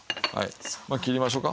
まあ切りましょうか。